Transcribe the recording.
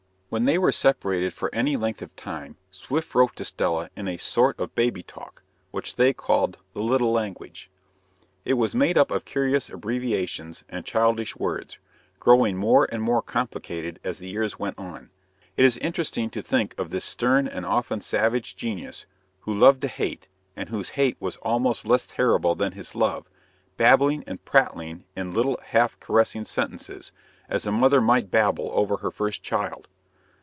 When they were separated for any length of time Swift wrote to Stella in a sort of baby talk, which they called "the little language." It was made up of curious abbreviations and childish words, growing more and more complicated as the years went on. It is interesting to think of this stern and often savage genius, who loved to hate, and whose hate was almost less terrible than his love, babbling and prattling in little half caressing sentences, as a mother might babble over her first child.